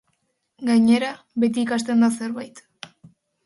Gainera, beti ikasten da zerbait.